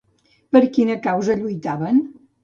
Per quina causa lluitaven?